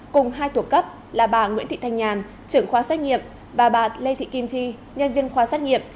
cùng hai thuộc cấp là bà nguyễn thị thanh nhàn trưởng khoa xét nghiệm và bà lê thị kim chi nhân viên khoa xét nghiệm